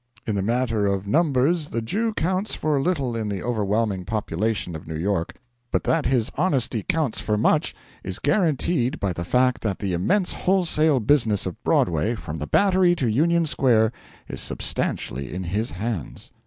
In the matter of numbers the Jew counts for little in the overwhelming population of New York; but that his honesty counts for much is guaranteed by the fact that the immense wholesale business of Broadway, from the Battery to Union Square, is substantially in his hands.